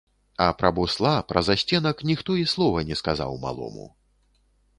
А пра бусла, пра засценак ніхто і слова не сказаў малому.